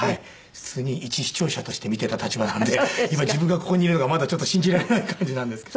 普通に一視聴者として見ていた立場なんで今自分がここにいるのがまだちょっと信じられない感じなんですけど。